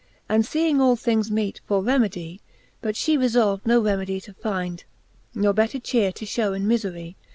And feeking all things meete for remedy. But fhe refolv'd no remedy to fynde, Nor better cheare to fhew in mifery.